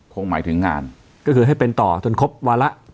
คงหมายถึงงานก็คือให้เป็นต่อจนครบวาระ